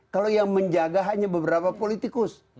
kalau yang menjaga hanya beberapa politikus